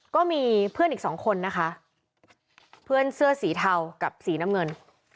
ก็มีเพื่อนอีกสองคนนะคะเพื่อนเสื้อสีเทากับสีน้ำเงิน